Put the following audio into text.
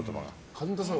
神田さん